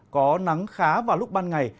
có nắng khá vào lúc ban ngày